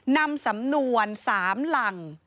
นำสำนวน๓หลัง